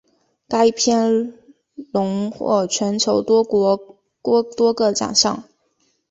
该片荣膺全球多国多个奖项。